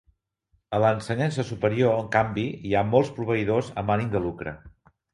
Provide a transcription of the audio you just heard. A l'ensenyança superior, en canvi, hi ha molts proveïdors amb ànim de lucre.